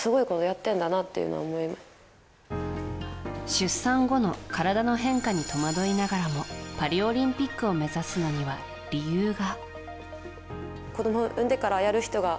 出産後の体の変化に戸惑いながらもパリオリンピックを目指すのには理由が。